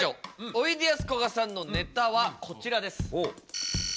おいでやすこがさんのネタはこちらです。